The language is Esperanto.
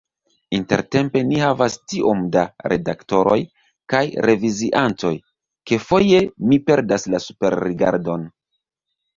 Intertempe ni havas tiom da redaktoroj kaj reviziantoj, ke foje mi perdas la superrigardon.